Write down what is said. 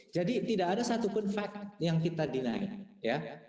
jadi tidak ada satupun fact yang kita deny